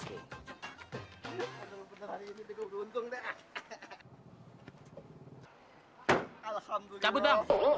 aduh peneran ini teguk teguk untung dah